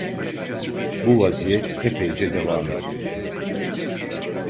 Bu vaziyet epeyce devam etti.